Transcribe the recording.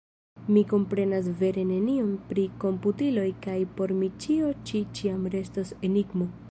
Mi komprenas vere nenion pri komputiloj, kaj por mi ĉio ĉi ĉiam restos enigmo.